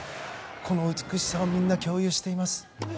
この美しさをみんな共有しています。